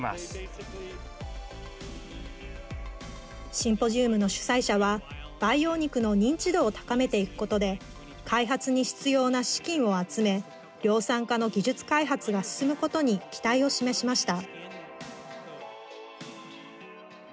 シンポジウムの主催者は培養肉の認知度を高めていくことで開発に必要な資金を集め量産化の技術開発が進むことに期待を示しました。